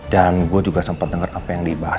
dan gue juga sempat denger apa yang dibahas